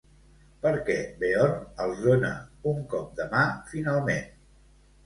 Per què Beorn els dona un cop de mà finalment?